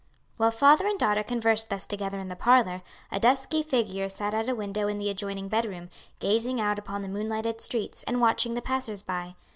While father and daughter conversed thus together in the parlor, a dusky figure sat at a window in the adjoining bedroom, gazing out upon the moonlighted streets and watching the passers by.